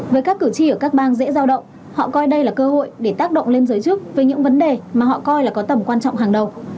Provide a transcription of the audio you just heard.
với các cử tri ở các bang dễ giao động họ coi đây là cơ hội để tác động lên giới chức về những vấn đề mà họ coi là có tầm quan trọng hàng đầu